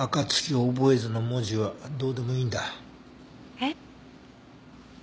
えっ？